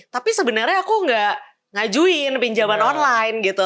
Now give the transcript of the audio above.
tapi sebenarnya aku gak ngajuin pinjaman online gitu